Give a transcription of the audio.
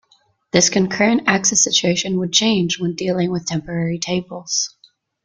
This concurrent access situation would change when dealing with temporary tables.